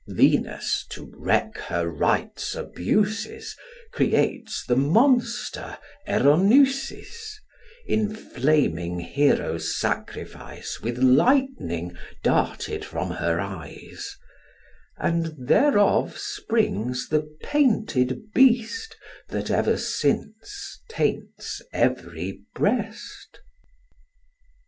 Venus, to wreak her rites' abuses, Creates the monster Eronusis, Inflaming Hero's sacrifice With lightning darted from her eyes; And thereof springs the painted beast That ever since taints every breast.